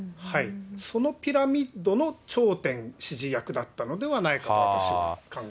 そのピラミッドの頂点、指示役だったのではないかと私は考え